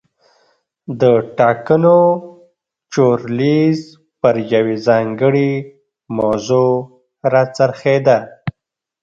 د ټاکنو چورلیز پر یوې ځانګړې موضوع را څرخېده.